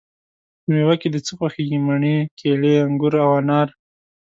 په میوه کی د څه خوښیږی؟ مڼې، کیلې، انګور او انار